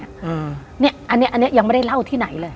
อันนี้ยังไม่ได้เล่าที่ไหนเลย